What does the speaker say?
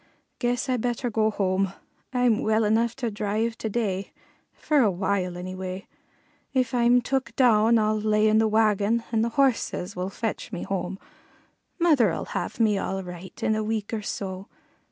Guess I better go home. I'm well enough to drive to day, for a while anyway; if I'm took down I'll lay in the wagon, and the horses will fetch me home. Mother'll have me all right in a week or so.